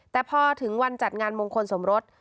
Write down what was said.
แต่พอถึงวันจัดงานมงคลสมรส